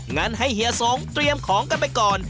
งั้นให้เฮียสงเตรียมของกันไปก่อน